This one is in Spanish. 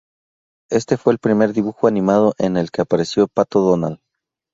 Este fue el primer dibujo animado en el que apareció el Pato Donald.